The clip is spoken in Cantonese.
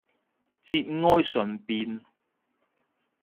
節哀順變